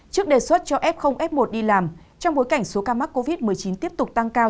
trước đề xuất cho f f một đi làm trong bối cảnh số ca mắc covid một mươi chín tiếp tục tăng cao